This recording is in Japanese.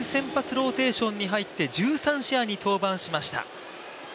ローテーションに入って１３試合に登板しました。